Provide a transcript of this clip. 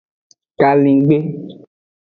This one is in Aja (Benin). Kaligben.